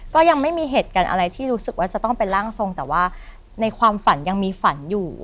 ก็ยังไม่มีเหตุการณ์อะไรที่รู้สึกว่าจะต้องเป็นร่างทรงแต่ว่าในความฝันยังมีฝันอยู่